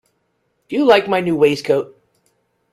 Do you like my new waistcoat?